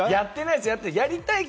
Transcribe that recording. やってないですよ！